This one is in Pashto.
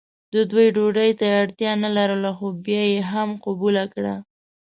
د دوی ډوډۍ ته یې اړتیا نه لرله خو بیا یې هم قبوله کړه.